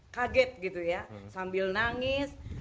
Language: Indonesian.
kaget gitu ya sambil nangis